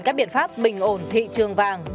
các biện pháp bình ổn thị trường vàng